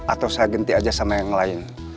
atau saya ganti aja sama yang lain